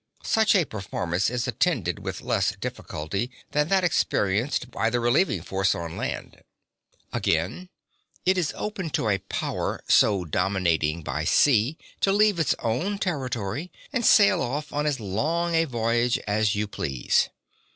Such a performance is attended with less difficulty than that experienced by the relieving force on land. (4) Again, it is open to a power so dominating by sea to leave its own territory and sail off on as long a voyage as you please.